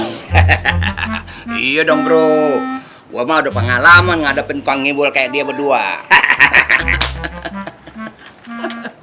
hahaha iya dong bro gua mah ada pengalaman ngadepin pangebol kayak dia berdua hahaha